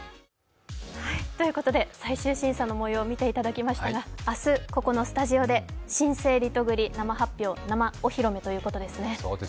最終審査の模様を見ていただきましたが明日、ここのスタジオで新生リトグリ、生発表、生お披露目ということですね。